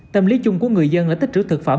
tâm lý chung của người dân là tích trữ thực phẩm